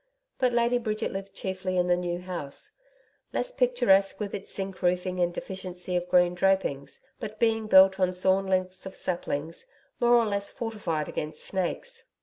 But Lady Bridget lived chiefly in the new house less picturesque with its zinc roofing and deficiency of green drapings, but, being built on sawn lengths of saplings, more or less fortified against snakes.